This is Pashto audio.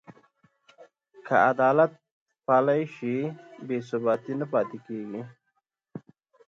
که عدالت پلی شي، بې ثباتي نه پاتې کېږي.